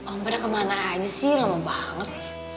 oh berat kemana aja sih lama banget